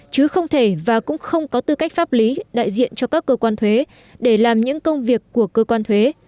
chứ không thể và cũng không có tư cách pháp lý đại diện cho các cơ quan thuế để làm những công việc của cơ quan thuế